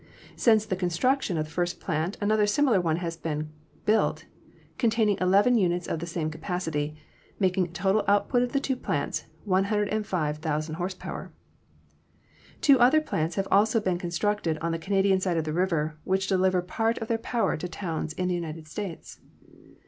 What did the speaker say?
Since the construction of the first plant another similar one has been built containing eleven units of the same capacity, making the total output of the two plants 105,000 hp. Two other plants also have been constructed on the Canadian side of the river, which deliver part of their power to towns in the United States.